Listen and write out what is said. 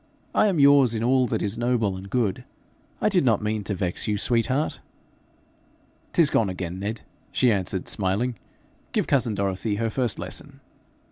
I am yours in all that is noble and good. I did not mean to vex you, sweet heart.' ''Tis gone again, Ned,' she answered, smiling. 'Give cousin Dorothy her first lesson.'